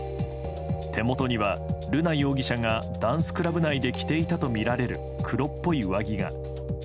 手元には瑠奈容疑者がダンスクラブ内で着ていたとみられる黒っぽい上着が。